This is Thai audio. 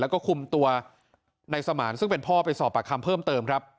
แล้วก็คุมตัวนายสมานซึ่งเป็นพ่อไปสอบปากคำเพิ่มเติมครับ